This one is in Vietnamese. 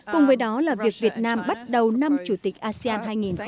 cùng với đó là việc việt nam bắt đầu năm chủ tịch asean hai nghìn hai mươi